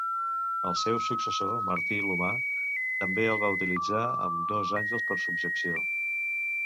El seu successor Martí l'Humà també el va utilitzar amb dos àngels per subjecció.